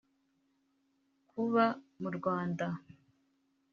Kuba mu Rwanda